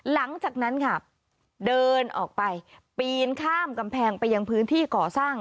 หลังจากนั้นค่ะเดินออกไปปีนข้ามกำแพงไปยังพื้นที่ก่อสร้าง